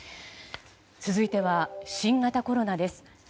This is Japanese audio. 続いては、新型コロナです。